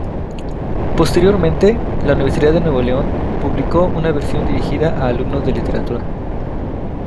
Posteriormente, la Universidad de Nuevo León publicó una versión dirigida a alumnos de literatura.